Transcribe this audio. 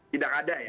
tidak ada ya